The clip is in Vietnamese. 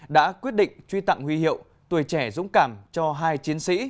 đã quyết định truy tặng huy hiệu tuổi trẻ dũng cảm cho hai chiến sĩ